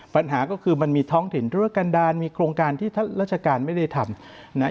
ปัญหาก็คือมันมีท้องถิ่นธุรกันดาลมีโครงการที่ท่านราชการไม่ได้ทำ